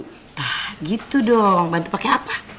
nah gitu dong bantu pake apa